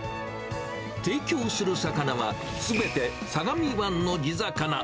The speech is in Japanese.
提供する魚は、すべて相模湾の地魚。